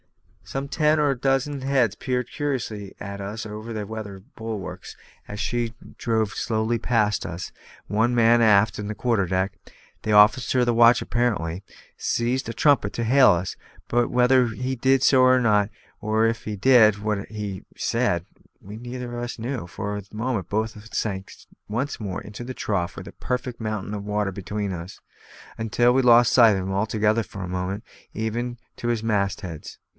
Some ten or a dozen heads peered curiously at us over her weather bulwarks as she drove slowly past us, and one man aft on the quarter deck, the officer of the watch apparently, seized a trumpet to hail us; but whether he did so or not, or, if he did, what he said, we neither of us knew; for at that moment we both sank once more into the trough with a perfect mountain of water between us, until we lost sight of him altogether for a moment, even to his mast heads.